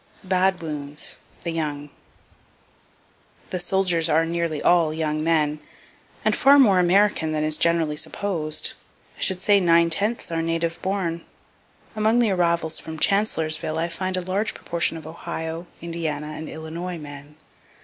BAD WOUNDS THE YOUNG The soldiers are nearly all young men, and far more American than is generally supposed I should say nine tenths are native born. Among the arrivals from Chancellorsville I find a large proportion of Ohio, Indiana, and Illinois men.